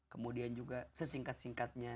kemudian juga sesingkat singkatnya